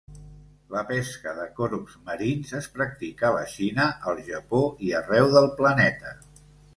La pesca de corbs marins es practica a la Xina, al Japó i arreu del planeta.